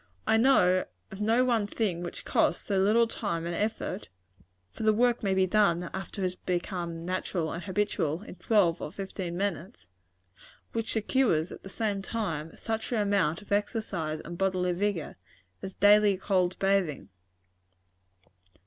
I know of no one thing which costs so little time and effort (for the work may be done after it has become natural and habitual, in twelve or fifteen minutes) which secures, at the same time, such an amount of exercise and bodily vigor, as daily cold bathing.